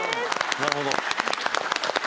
なるほど。